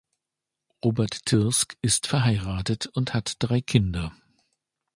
Robert Thirsk ist verheiratet und hat drei Kinder.